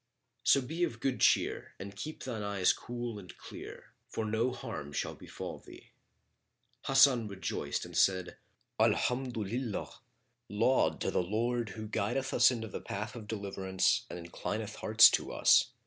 So be of good cheer and keep thine eyes cool and clear, for no harm shall befal thee." Hasan rejoiced and said, "Alhamdolillah, laud to the Lord who guideth us into the path of deliverance and inclineth hearts to us!"